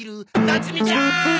なつみちゃん！